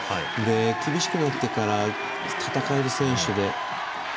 厳しくなってから戦える選手です。